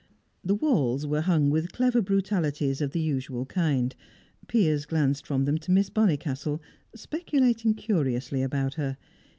The walls were hung with clever brutalities of the usual kind. Piers glanced from them to Miss Bonnicastle, speculating curiously about her.